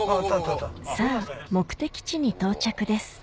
さぁ目的地に到着です